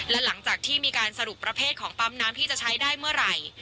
และหลังจากที่มีการสรุปประเภทของปั๊มน้ำที่จะใช้ได้เมื่อไหร่